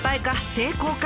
成功か？